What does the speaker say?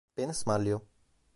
Ben ısmarlıyorum.